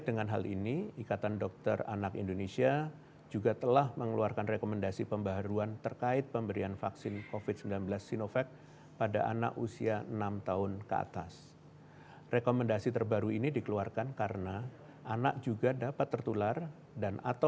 dan yang keempat